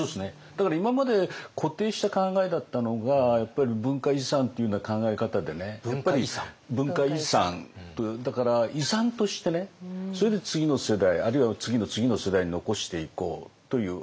だから今まで固定した考えだったのがやっぱり文化遺産っていうような考え方でね文化遺産だから遺産としてそれで次の世代あるいは次の次の世代に残していこうという。